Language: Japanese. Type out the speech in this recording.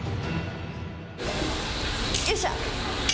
よいしょ。